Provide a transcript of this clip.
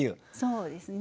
そうですね。